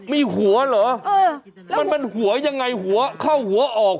มันหัวยังไงหัวเข้าหัวออก